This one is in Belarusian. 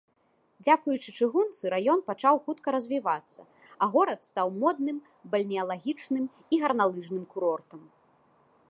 Дзякуючы чыгунцы раён пачаў хутка развівацца, а горад стаў модным бальнеалагічным і гарналыжным курортам.